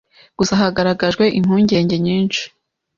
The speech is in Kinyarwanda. Gusa hagaragajwe impungenge nyinshi